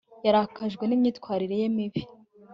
yarakajwe n'imyitwarire ye mibi